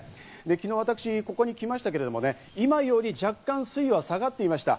昨日、私ここに来ましたけどね、今より若干、水位は下がっていました。